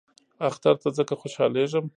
اختر ته ځکه خوشحالیږم .